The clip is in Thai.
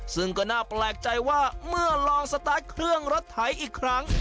ซึ่งก็น่าแปลกใจว่าเมื่อลองสตาร์ทเครื่องรถไถอีกครั้ง